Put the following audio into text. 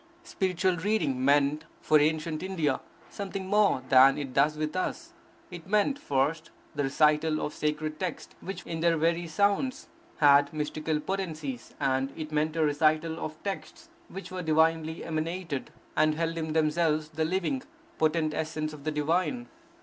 Spiritual reading meant, for ancient India, something more than it does with us. It meant, first, the recital of sacred texts, which, in their very sounds, had mystical potencies; and it meant a recital of texts which were divinely emanated, and held in themselves the living, potent essence of the divine.